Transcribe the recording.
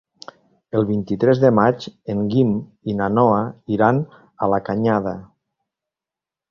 El vint-i-tres de maig en Guim i na Noa iran a la Canyada.